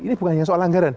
ini bukan hanya soal anggaran